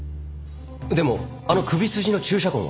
でもあの首筋の注射痕は？